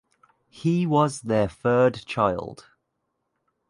He was their third child.